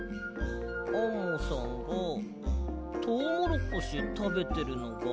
アンモさんがトウモロコシたべてるのが？